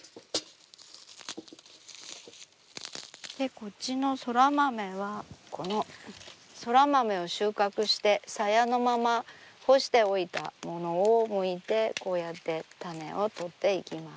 こっちのそら豆はこのそら豆を収穫してさやのまま干しておいたものをむいてこうやって種を取っていきます。